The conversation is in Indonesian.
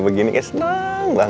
selamat terserah oleh tuhan